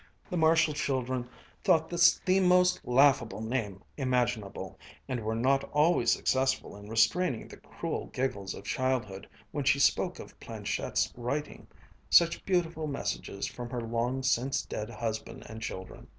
The Marshall children thought this the most laughable name imaginable, and were not always successful in restraining the cruel giggles of childhood when she spoke of planchette's writing such beautiful messages from her long since dead husband and children.